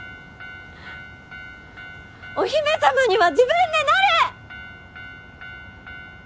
お姫様には自分でなる！